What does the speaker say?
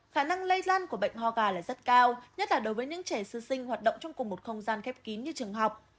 khả năng lây lan của bệnh ho gà là rất cao nhất là đối với những trẻ sư sinh hoạt động trong cùng một không gian khép kín như trường học